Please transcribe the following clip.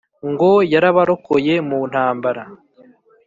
Ngo yarabarokoye mu ntambara